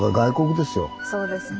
そうですね。